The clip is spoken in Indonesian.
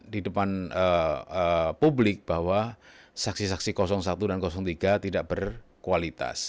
di depan publik bahwa saksi saksi satu dan tiga tidak berkualitas